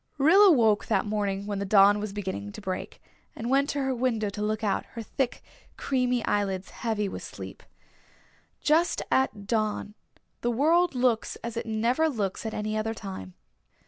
Rilla woke that morning when the dawn was beginning to break and went to her window to look out, her thick creamy eyelids heavy with sleep. Just at dawn the world looks as it never looks at any other time.